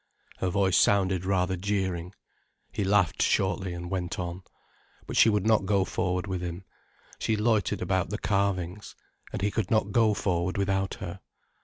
Her voice sounded rather jeering. He laughed shortly, and went on. But she would not go forward with him. She loitered about the carvings. And he could not go forward without her.